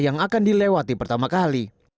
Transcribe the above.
yang akan dilewati pertama kali